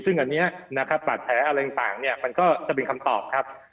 ซึ่งอันนี้ปราศแผลอะไรต่างมันก็จะเป็นคำตอบ